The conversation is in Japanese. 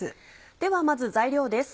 ではまず材料です